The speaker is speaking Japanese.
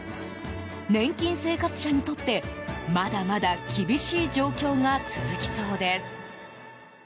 年金生活者にとってまだまだ厳しい状況が続きそうです。